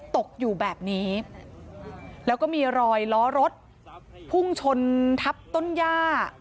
ตกอยู่แบบนี้แล้วก็มีรอยล้อรถพุ่งชนทับต้นย่า